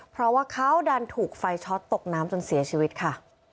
เพราะว่าเขาดันถูกไฟช็อตตกน้ำจนเสียชีวิตค่ะ